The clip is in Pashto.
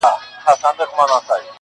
ستا د حسن ترانه وای-